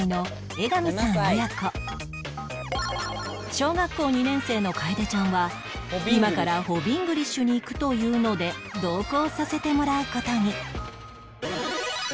小学校２年生の楓ちゃんは今からホビングリッシュに行くというので同行させてもらう事に